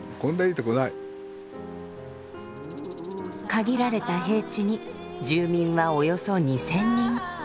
限られた平地に住民はおよそ２，０００人。